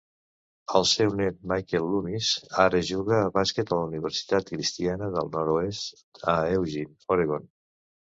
El seu net Michael Loomis ara juga a bàsquet a la Universitat Cristiana del Nord-oest, a Eugene, Oregon.